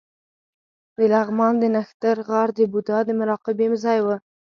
د لغمان د نښتر غار د بودا د مراقبې ځای و